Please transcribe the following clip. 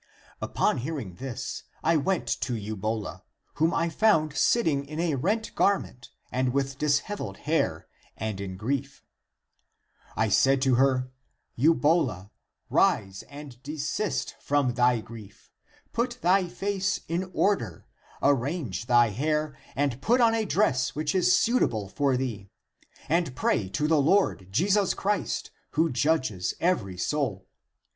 " Upon hearing this, I went to Eubola, whom I found sitting in a rent garment and with dishev eled hair and in grief. I said to her, Eubola, rise (and desist) from thy grief; put thy face in order, arrange thy hair, and put on a dress which is suit able for thee, and pray to the Lord Jesus Christ, who judges every soul.